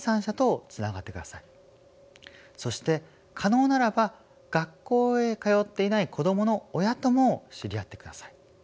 そして可能ならば学校へ通っていない子どもの親とも知り合ってください。